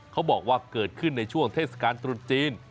เขาบอกว่าเกิดขึ้นในช่วงเทศกาลตรุษจีน